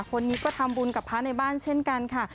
คนนี้ก็ทำบุญกับพระในบ้านเช่นกันค่ะ